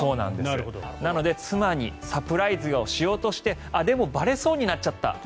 なので妻にサプライズをしようとしてでもばれそうになっちゃった